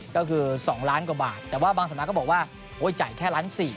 ก็คือ๒ล้านบาทแต่ว่าบางสมัครก็บอกว่าโอ๊ยจ่ายแค่๑๔ล้านบาท